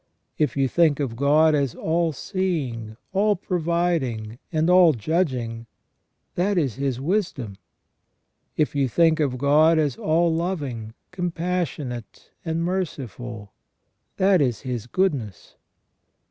If you think of God as all seeing, all providing, and all judging, that is His wisdom. If you think of God as all loving, compassionate, and merciful, that is His good ness.